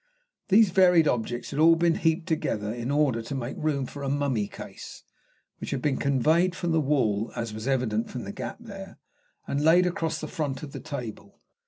These varied objects had all been heaped together in order to make room for a mummy case, which had been conveyed from the wall, as was evident from the gap there, and laid across the front of the table.